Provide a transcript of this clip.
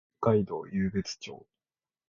北海道湧別町